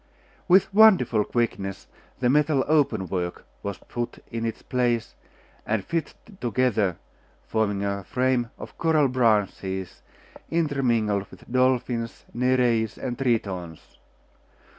With wonderful quickness the metal open work was put in its place, and fitted together, forming a frame of coral branches intermingled with dolphins, Nereids, and Tritons.